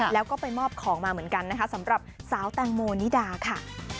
แล้วก็ไปมอบของมาเหมือนกันนะคะสำหรับสาวแตงโมนิดาค่ะ